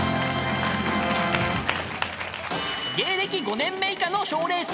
［芸歴５年目以下の賞レース］